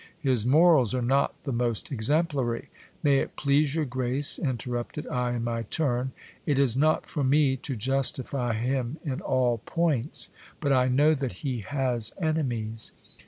His morals are not the most exemplary. May it please your grace, interrupted I in my turn, it is not for me to justify him in all points ; but I know that he has enemies.